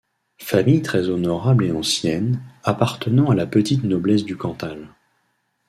Famille très honorable et ancienne, appartenant à la petite noblesse du Cantal.